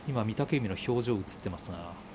御嶽海の表情が映っています。